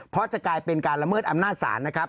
เพราะจะกลายเป็นการละเมิดอำนาจศาลนะครับ